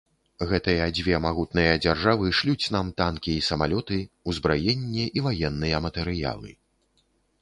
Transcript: Гэтыя дзве магутныя дзяржавы шлюць нам танкі і самалёты, узбраенне і ваенныя матэрыялы.